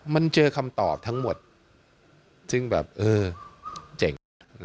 มันเจอคำตอบทั้งหมดซึ่งแบบเออเจ๋ง